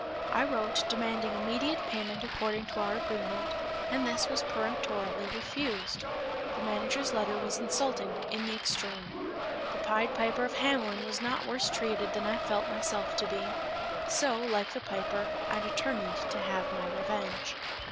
I wrote, demanding immediate payment according to our agreement, and this was peremptorily refused. The manager's letter was insulting in the extreme. The Pied Piper of Hamelin was not worse treated than I felt myself to be; so, like the piper, I determined to have my revenge.